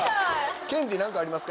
ケンティー何かありますか？